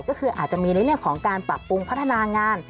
ก็คืออาจจะมีในเรื่องของการปรับปรุงพัฒนางาน